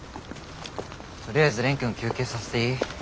とりあえず蓮くん休憩させていい？